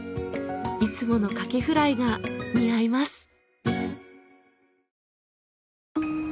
いつものカキフライが似合います。